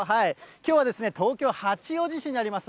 きょうは東京・八王子市にあります